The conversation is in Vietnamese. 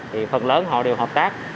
thì phần lớn họ đều hợp tác